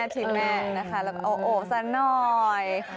ธีมแม่เอาโอ้สักหน่อย